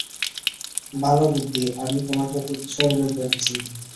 ভালো বুদ্ধি, আমি তোমাকে উৎসর্গ করছি!